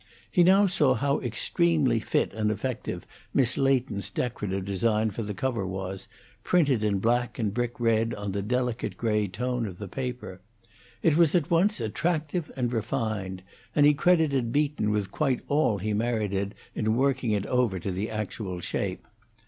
He now saw how extremely fit and effective Miss Leighton's decorative design for the cover was, printed in black and brick red on the delicate gray tone of the paper. It was at once attractive and refined, and he credited Beaton with quite all he merited in working it over to the actual shape.